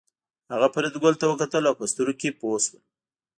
هغه فریدګل ته وکتل او په سترګو کې پوه شول